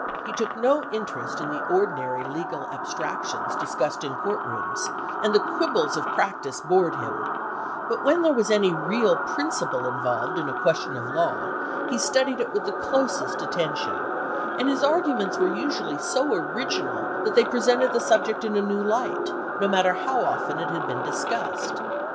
1 He took no interest in the ordinary legal ab stractions discussed in court rooms, ano\ the quibbles of practice bored him; but when there was any real principle involved in a question of law he studied it with the closest attention, and his arguments were usually so original that they presented the subject in a new light, no matter how often it had been discussed.